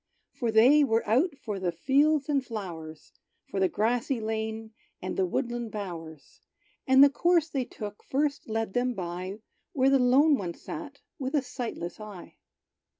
For they were out for the fields and flowers For the grassy lane, and the woodland bowers; And the course they took first led them by Where the lone one sat with a sightless eye.